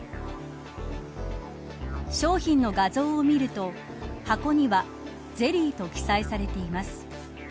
商品の画像を見ると箱にはゼリーと記載されています。